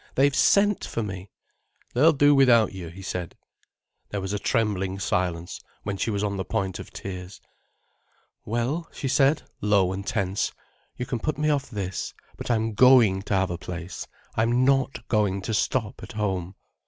"They've sent for me." "They'll do without you," he said. There was a trembling silence when she was on the point of tears. "Well," she said, low and tense, "you can put me off this, but I'm going to have a place. I'm not going to stop at home."